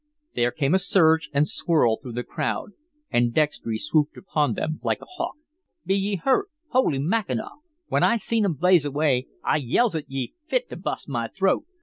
There came a surge and swirl through the crowd, and Dextry swooped upon them like a hawk. "Be ye hurt? Holy Mackinaw! When I see 'em blaze away I yells at ye fit to bust my throat.